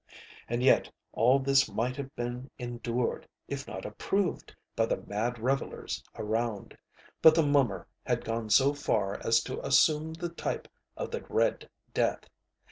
And yet all this might have been endured, if not approved, by the mad revellers around. But the mummer had gone so far as to assume the type of the Red Death.